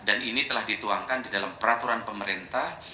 dan ini telah dituangkan di dalam peraturan pemerintah